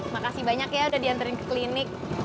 makasih banyak ya udah diantarin ke klinik